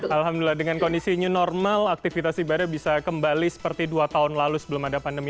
alhamdulillah dengan kondisi new normal aktivitas ibadah bisa kembali seperti dua tahun lalu sebelum ada pandemi